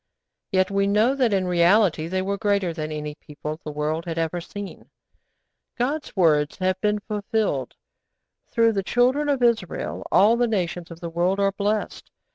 Yet we know that in reality they were greater than any people the world had ever seen. God's words have been fulfilled; through the Children of Israel all the nations of the world are blessed.